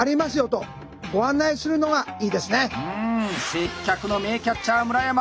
接客の名キャッチャー村山。